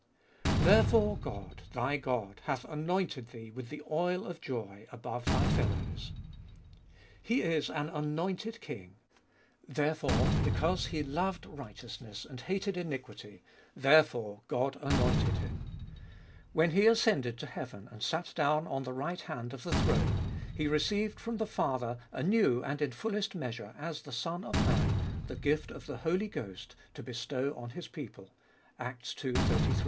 Therefore God, Thy God, hath anointed Thee with the oil of joy above Thy fellows. He is an anointed King. Therefore, because He loved righteousness and hated iniquity, therefore God anointed Him. When He ascended to heaven, and sat down on the right hand of the throne, He received from the Father anew and in fullest measure, as the Son of Man, the gift of the Holy Ghost to bestow on His people (Acts ii. 33).